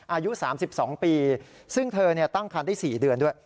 อายุ๓๒ปีซึ่งเธอตั้งคันได้๔เดือนด้วย